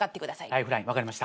ライフライン分かりました。